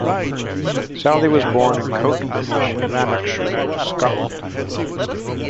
Sally was born in Coatbridge, Lanarkshire, Scotland.